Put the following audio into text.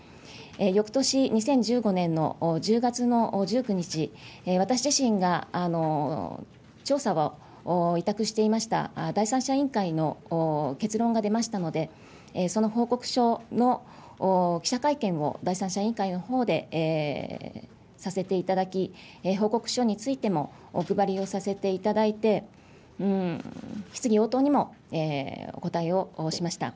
よくとし２０１５年の１０月の１９日、私自身が調査を委託していました、第三者委員会の結論が出ましたので、その報告書の記者会見を第三者委員会のほうでさせていただき、報告書についてもお配りをさせていただいて、質疑応答にもお答えをしました。